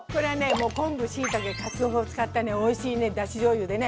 もう昆布しいたけかつおを使ったねおいしいねだしじょうゆでね